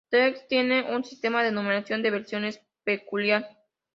TeX tiene un sistema de numeración de versiones peculiar.